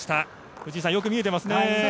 藤井さん、よく見えていますね。